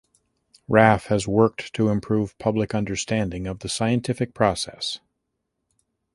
Raff has worked to improve public understanding of the scientific process.